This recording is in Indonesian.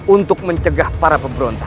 untuk mencegah para pemberontak